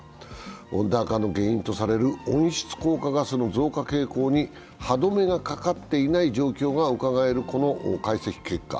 温暖化の原因とされる温室効果ガスの増加傾向に歯止めがかかっていない状況がうかがえるこの解析結果。